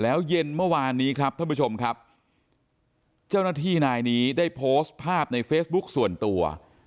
แล้วเย็นเมื่อวานนี้ครับท่านผู้ชมครับเจ้าหน้าที่นายนี้ได้โพสต์ภาพในเฟซบุ๊คส่วนตัว